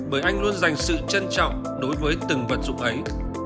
bởi anh luôn dành sự trân trọng đối với từng vật dụng ấy